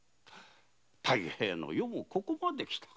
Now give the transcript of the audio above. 太平の世もここまできたか。